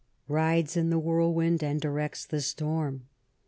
Rides in the whirlwind and directs the storm."